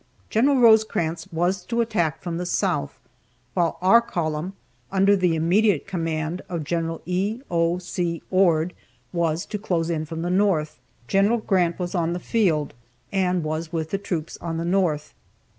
Gen. Rosecrans was to attack from the south, while our column, under the immediate command of Gen. E. O. C. Ord, was to close in from the north. Gen. Grant was on the field, and was with the troops on the north.